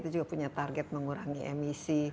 itu juga punya target mengurangi emisi